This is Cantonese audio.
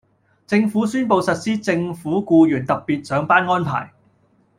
政府宣布實施政府僱員特別上班安排